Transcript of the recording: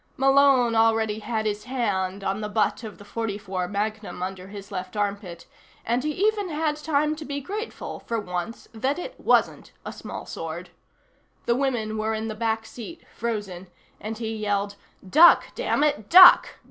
Malone already had his hand on the butt of the .44 Magnum under his left armpit, and he even had time to be grateful, for once, that it wasn't a smallsword. The women were in the back seat, frozen, and he yelled: "Duck, damn it, duck!"